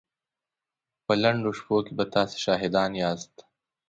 په لنډو شپو کې به تاسې شاهدان ياست.